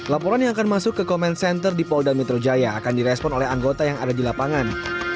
laporan yang akan masuk ke comment center di polda metro jaya akan direspon oleh anggota yang ada di lapangan